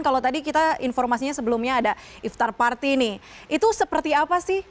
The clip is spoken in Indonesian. kalau tadi kita informasinya sebelumnya ada iftar party nih itu seperti apa sih